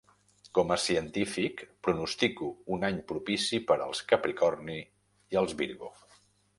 Com a científic, pronostico un any propici per als Capricorni i els Virgo.